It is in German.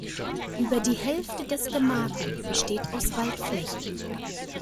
Über die Hälfte des Gemarkung besteht aus Waldflächen.